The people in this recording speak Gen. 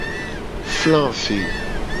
Fla ve.